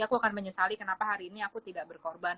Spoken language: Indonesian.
aku akan menyesali kenapa hari ini aku tidak berkorban